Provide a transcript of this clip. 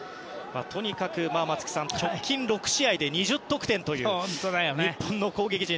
とにかく松木さん直近６試合で２０得点という日本の攻撃陣。